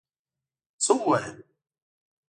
څه ووایم؟!